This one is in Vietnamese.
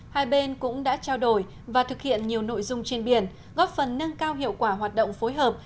hai bên cũng đã trao đổi và thực hiện nhiều nội dung trên biển góp phần nâng cao hiệu quả hoạt động phối hợp